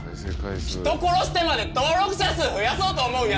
人殺してまで登録者数増やそうと思うヤツ